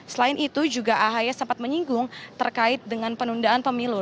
selain itu juga ahy sempat menyinggung terkait dengan penundaan pemilu